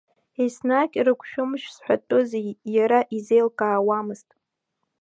Еснагь рыгәшәымшә зҳәатәызи, иара изеилкаауамызт.